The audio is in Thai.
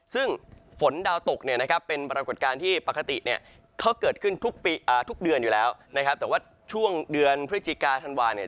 ซึ่งฝนดาวตกเนี่ยนะครับเป็นปรากฏการณ์ที่ปกติเนี่ยเขาเกิดขึ้นทุกเดือนอยู่แล้วนะครับแต่ว่าช่วงเดือนพฤศจิกาธันวาเนี่ย